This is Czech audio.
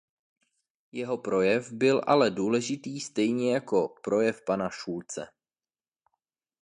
Jeho projev byl ale důležitý stejně jako projev pana Schulze.